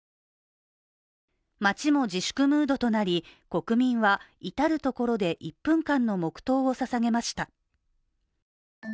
街も自粛ムードとなり、国民は至る所で１分間の黙とうをささげました。